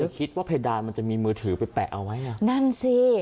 คิดว่าเพดานมันจะมีมือถือไปแปะเอาไว้อ่ะนั่นสิ